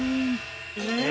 え！